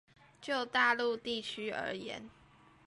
就大陸地區而言